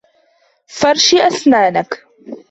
فرش أسنانك.